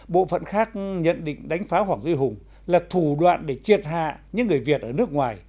bộ phận khác nhận định đánh phá hoàng duy hùng là thủ đoạn để triệt hạ những người việt ở nước ngoài